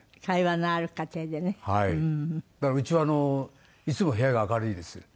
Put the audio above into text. だからうちはいつも部屋が明るいです。